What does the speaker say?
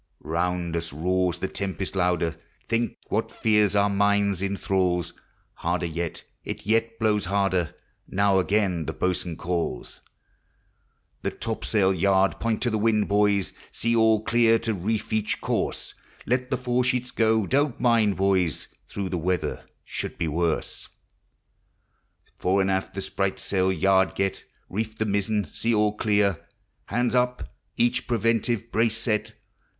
Round us roars the tempest louder, Think what fear our minds inthralls! Harder yet, it yet blows harder, Now again the boatswain calls. The topsail yard point to the wind, boys, See all clear to reef each course; Let the fore sheet go, don't mind, boys, Though the weather should be worse. THE si: A. 415 Fort 4 and aft the sprit sail yard get, Reef the miezen, sec all clear; Hands ap! each preventive brace Be1